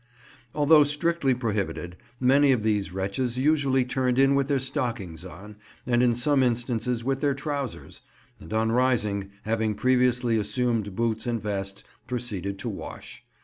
Although strictly prohibited, many of these wretches usually turned in with their stockings on, and in some instances with their trowsers; and on rising, having previously assumed boots and vest, proceeded to wash.